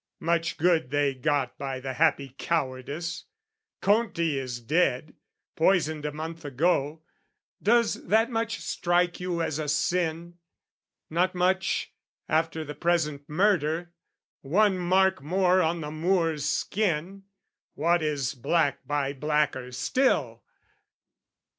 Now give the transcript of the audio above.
Much good they got by the happy cowardice! Conti is dead, poisoned a month ago: Does that much strike you as a sin? Not much, After the present murder, one mark more On the Moor's skin, what is black by blacker still?